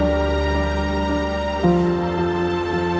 aku mau denger